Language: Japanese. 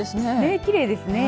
きれいですね。